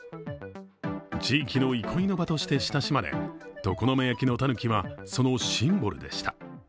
地域の憩いの場として親しまれ常滑焼のたぬきは、そのシンボルでした。